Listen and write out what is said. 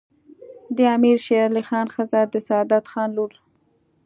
د امیر شیرعلي خان ښځه د سعادت خان لور